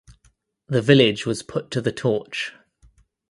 The village was put to the torch.